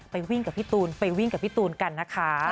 วิ่งกับพี่ตูนไปวิ่งกับพี่ตูนกันนะคะ